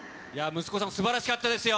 息子さんもすばらしかったですよ。